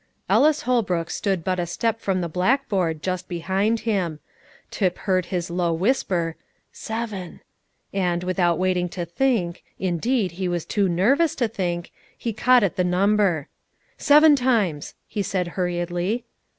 Ellis Holbrook stood but a step from the blackboard, just behind him. Tip heard his low whisper, "Seven," and, without waiting to think, indeed, he was too nervous to think, he caught at the number. "Seven times!" he said hurriedly.